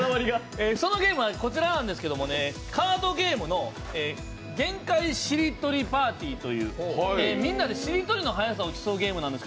そのゲームはこちらなんですけどカードゲームの「限界しりとりパーティー」というゲームでみんなでしりとりの速さを競うゲームなんです